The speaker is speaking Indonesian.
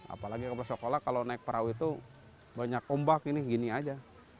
apalagi kalau sekolah kalau naik perahu itu banyak ombak ini gini aja